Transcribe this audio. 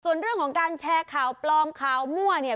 ส่วนเรื่องของการแชร์ข่าวปลอมข่าวมั่วเนี่ย